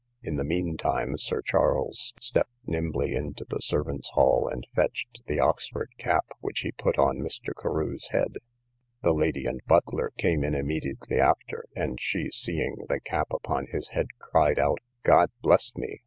In the mean time Sir Charles stepped nimbly into the servant's hall, and fetched the Oxford cap, which he put on Mr. Carew's head. The lady and butler came in immediately after, and she, seeing the cap upon his head, cried out, God bless me!